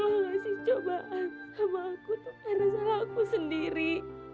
allah ngasih cobaan sama aku untuk merasakan aku sendiri